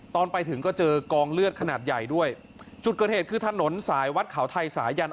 ตอนไปถึงก็เจอกองเลือดขนาดใหญ่ด้วยจุดเกิดเหตุคือถนนสายวัดเขาไทยสายัน